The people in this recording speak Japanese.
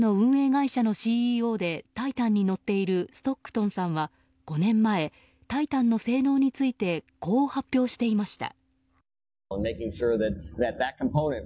会社のＣＥＯで「タイタン」に乗っているストックトンさんは、５年前「タイタン」の性能についてこう発表していました。